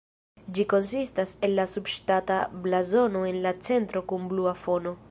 Ĝi konsistas el la subŝtata blazono en la centro kun blua fono.